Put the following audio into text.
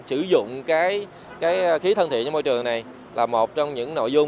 sử dụng khí thân thiện trong môi trường này là một trong những nội dung